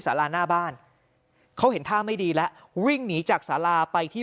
สาราหน้าบ้านเขาเห็นท่าไม่ดีแล้ววิ่งหนีจากสาราไปที่